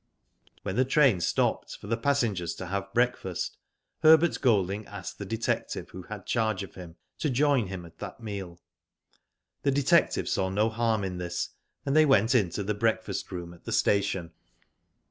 When the train stopped for the passengers to have breakfast, Herbert Golding asked the detective, who had charge of him, to join him at that meal. The detective saw no harm in this, and they went into the breakfast room at the station.